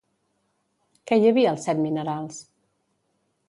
Què hi havia als set minerals?